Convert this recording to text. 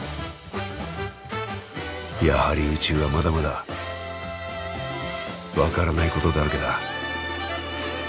やはり宇宙はまだまだ分からないことだらけだ。